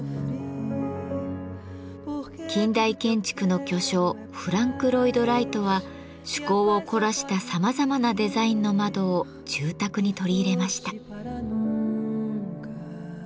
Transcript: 近代建築の巨匠フランク・ロイド・ライトは趣向を凝らしたさまざまなデザインの窓を住宅に取り入れました。